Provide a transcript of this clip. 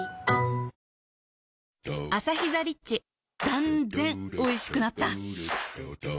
断然おいしくなった